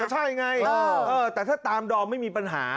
ใช่ไงแต่ถ้าตามดอมไม่มีปัญหา